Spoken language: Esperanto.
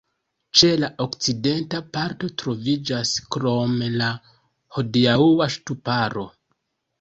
Ĉe la okcidenta parto troviĝas krome la hodiaŭa ŝtuparo.